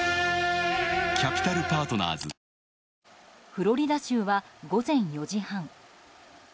フロリダ州は午前４時半。